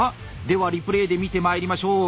ではリプレーで見てまいりましょう。